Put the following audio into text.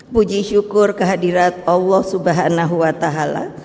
puji syukur kehadirat allah subhanahu wa ta'ala